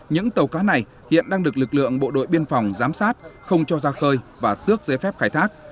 những tàu cá này hiện đang được lực lượng bộ đội biên phòng giám sát không cho ra khơi và tước giấy phép khai thác